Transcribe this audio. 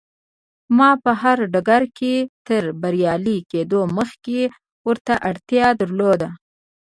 ما په هر ډګر کې تر بريالي کېدو مخکې ورته اړتيا درلوده.